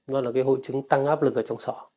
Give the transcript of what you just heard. nó là hội chứng tăng áp lực trong sọ